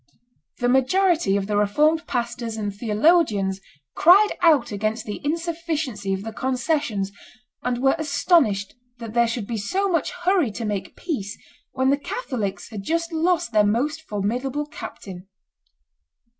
The majority of the Reformed pastors and theologians cried out against the insufficiency of the concessions, and were astonished that there should be so much hurry to make peace when the Catholics had just lost their most formidable captain.